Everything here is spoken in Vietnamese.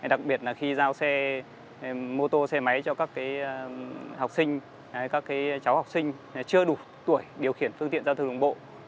đặc biệt khi giao xe mô tô xe máy cho các học sinh các cháu học sinh chưa đủ tuổi điều khiển phương tiện giao thư đồng bộ